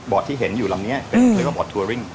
ที่เห็นอยู่ลำนี้เป็นเรียกว่าบอร์ดทัวริ่ง